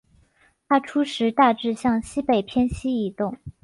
它初时大致向西北偏西移动。